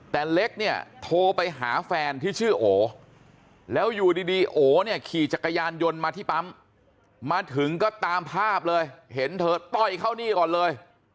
แต่เล็กเนี่ยโทรไปหาแฟนที่ชื่อโอแล้วอยู่ดีโอเนี่ยขี่จักรยานยนต์มาที่ปั๊มมาถึงก็ตามภาพเลยเห็นเธอต้อยเข้านี่ก่อนเลย